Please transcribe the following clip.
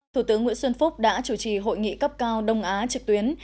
thủ tướng nguyễn xuân phúc đã chủ trì hội nghị cấp cao đông á trực tuyến